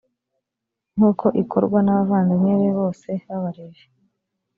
nk’uko ikorwa n’abavandimwe be bose b’abalevi,